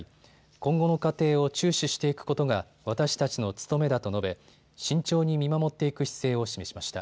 今後の過程を注視していくことが私たちの務めだと述べ慎重に見守っていく姿勢を示しました。